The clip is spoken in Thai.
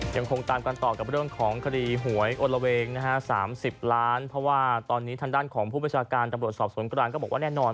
ยังคงตามกันต่อกับเรื่องของคดีหวยอลละเวงนะฮะ๓๐ล้านเพราะว่าตอนนี้ทางด้านของผู้ประชาการตำรวจสอบสวนกลางก็บอกว่าแน่นอน